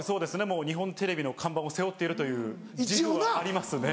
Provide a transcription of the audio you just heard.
もう日本テレビの看板を背負っているという自負はありますね。